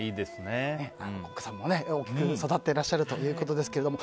お子さんも大きく育っていらっしゃるということですが。